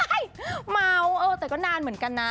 เมาเออแต่ก็นานเหมือนกันนะ